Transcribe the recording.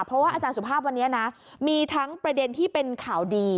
เพราะว่าอาจารย์สุภาพวันนี้นะมีทั้งประเด็นที่เป็นข่าวดี